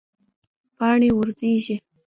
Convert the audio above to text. پاڼې غورځیږي